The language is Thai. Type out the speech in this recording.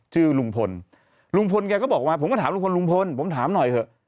ชื่อลุงพลลุงพลแกก็บอกว่าผมก็ถามลุงพลลุงพลผมถามหน่อยเถอะ